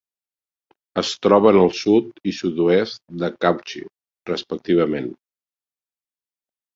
Es troben al sud i sud-oest de Cauchy, respectivament.